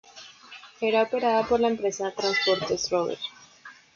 Era operada por la empresa Transportes Rober.